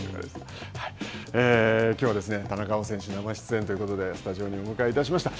きょうは田中碧選手、生出演ということでスタジオにお迎えいたしました。